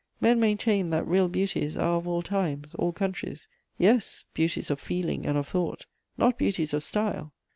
Men maintain that real beauties are of all times, all countries: yes, beauties of feeling and of thought; not beauties of style.